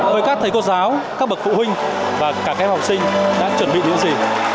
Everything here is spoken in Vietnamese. với các thầy cô giáo các bậc phụ huynh và cả các em học sinh đã chuẩn bị những gì